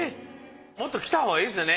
もっと着たほうがいいですよね？